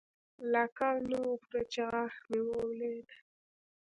لا کال نه و پوره چې غاښ مې ولوېد.